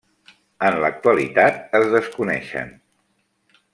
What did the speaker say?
En l'actualitat es desconeixen.